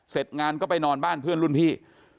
เสร็จงานก็ไปนอนบ้านเพื่อนรุ่นพี่